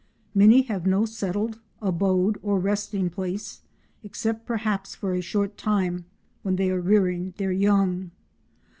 Many have no settled abode or resting place except perhaps for a short time when they are rearing their young.